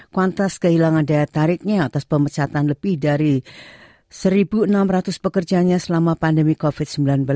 kuantas kehilangan daya tariknya atas pemecatan lebih dari satu enam ratus pekerjanya selama pandemi covid sembilan belas